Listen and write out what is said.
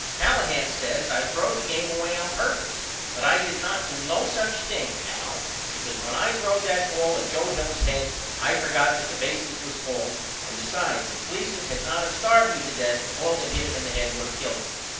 Callahan says I throwed the game away on purpose but I did not do no such a thing Al because when I throwed that ball at Joe Hill's head I forgot that the bases was full and besides if Gleason had not of starved me to death the ball that hit him in the head would of killed him.